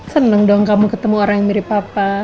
seneng dong kamu ketemu orang yang mirip papa